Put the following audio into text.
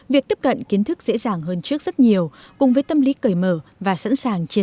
việc tiếp cận kiến thức dễ dàng hơn trước rất nhiều cùng với tâm lý cởi mở và sẵn sàng chia